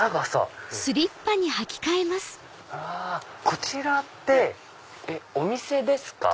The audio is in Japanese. こちらってお店ですか？